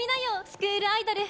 スクールアイドル。